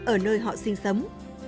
ở nơi họ sinh sống